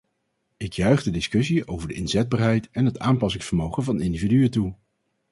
Ik juich de discussie over de inzetbaarheid en het aanpassingsvermogen van individuen toe.